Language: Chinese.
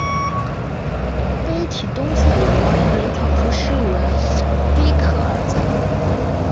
碑体东侧有王阳明草书诗文碑刻二则。